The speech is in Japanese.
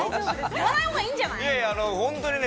言わないほうがいいんじゃない？